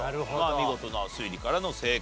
見事な推理からの正解。